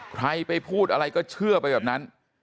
ใครไปพูดอะไรก็เชื่อไปแบบนั้น